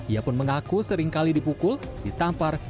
ia pun mengaku seringkali dipukul ditampar